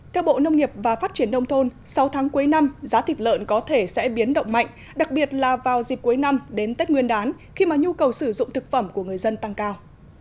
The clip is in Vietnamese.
theo bộ nông nghiệp và phát triển nông thôn sau tháng cuối năm giá thịt lợn có thể sẽ biến động mạnh đặc biệt là vào dịp cuối năm đến tết nguyên đán khi mà nhu cầu sử dụng thực phẩm của người dân tăng cao